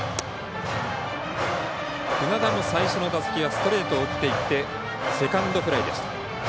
船田も最初の打席はストレートを打っていってセカンドフライでした。